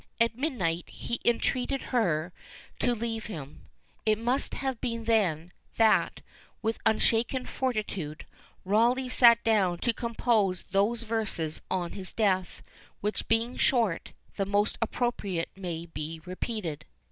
At midnight he entreated her to leave him. It must have been then, that, with unshaken fortitude, Rawleigh sat down to compose those verses on his death, which being short, the most appropriate may be repeated.